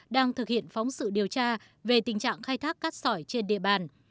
đang thực hiện phóng sự điều tra về tình trạng khai thác cát sỏi trên địa bàn